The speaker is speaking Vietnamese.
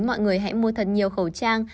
mọi người hãy mua thật nhiều khẩu trang